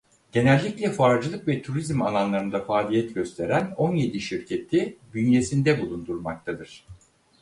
Genellikle fuarcılık ve turizm alanlarında faaliyet gösteren on yedi şirketi bünyesinde bulundurmaktadır.